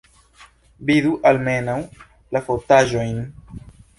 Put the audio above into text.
Vidu almenaŭ la fotaĵojn!